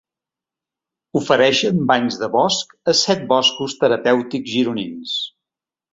Ofereixen banys de bosc a set boscos terapèutics gironins.